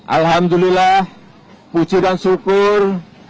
alhamdulillah puji dan syukur